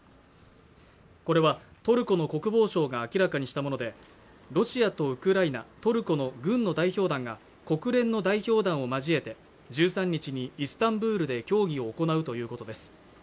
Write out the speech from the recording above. これはトルコの国防相が明らかにしたものでロシアとウクライナトルコの軍の代表団が国連の代表団を交えて１３日にイスタンブールで協議を行うということです